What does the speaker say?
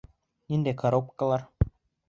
Ниндәй коробкалар?